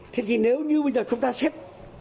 thế thì nếu như bây giờ chúng ta xét